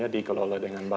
dikelola dengan baik